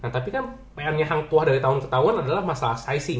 tapi kan pengennya hang tuah dari tahun ke tahun adalah masalah asing